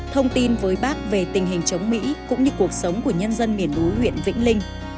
thông tin với bác về tình hình chống mỹ cũng như cuộc sống của nhân dân miền núi huyện vĩnh linh